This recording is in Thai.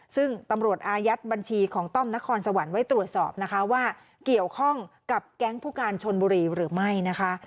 ซึ่งตำรวจอายัดบัญชีของต้อมนครสวรรค์ไว้ตรวจสอบนะคะว่าเกี่ยวข้องกับแก๊งผู้การชนบุรีหรือไม่นะคะ